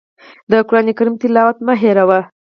د قرآن کریم تلاوت مه هېروئ.